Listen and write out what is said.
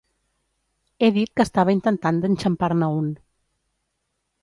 He dit que estava intentant d'enxampar-ne un.